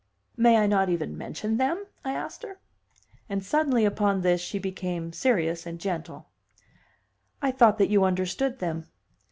"May I not even mention them?" I asked her. And suddenly upon this she became serious and gentle. "I thought that you understood them.